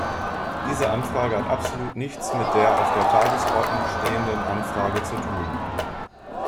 Diese Anfrage hat absolut nichts mit der auf der Tagesordnung stehenden Anfrage zu tun.